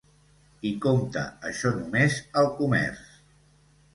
I, compte, això només al comerç.